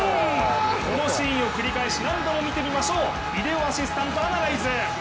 このシーンを繰り返し何度も見てみましょうビデオ・アシスタント・アナライズ。